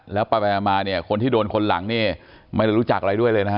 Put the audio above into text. แล้วประมาณมาเนี่ยคนที่โดนคนหลังเนี่ยไม่รู้จักอะไรด้วยเลยนะครับ